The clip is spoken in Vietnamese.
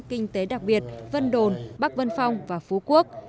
kinh tế đặc biệt vân đồn bắc vân phong và phú quốc